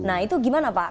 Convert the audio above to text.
nah itu gimana pak